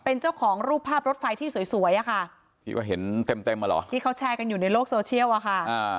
เป็นเจ้าของรูปภาพรถไฟที่สวยสวยอะค่ะที่ก็เห็นเต็มเต็มอ่ะเหรอที่เขาแชร์กันอยู่ในโลกโซเชียลอะค่ะ